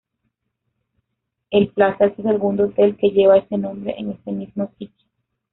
El Plaza es el segundo hotel que lleva ese nombre en ese mismo sitio.